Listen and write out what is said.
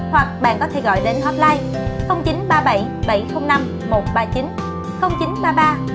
hoặc bạn có thể gọi đến hotline